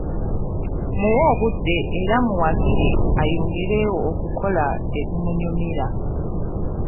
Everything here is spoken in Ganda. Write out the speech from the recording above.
Muwe obudde era muwagire ayongere okukola ebimunyumira.